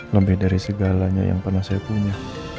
lebih dari segalanya yang pernah saya punya